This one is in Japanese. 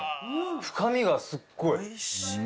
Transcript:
深みがすっごい。